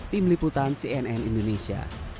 tim liputan cnn indonesia